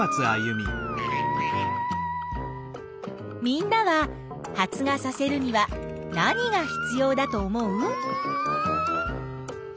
みんなは発芽させるには何が必要だと思う？